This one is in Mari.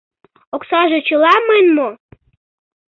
Оксаже чыла мыйын мо?